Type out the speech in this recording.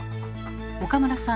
岡村さん